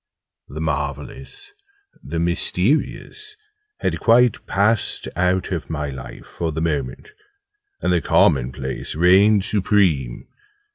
The Marvellous the Mysterious had quite passed out of my life for the moment: and the Common place reigned supreme.